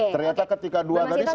ternyata ketika dua tadi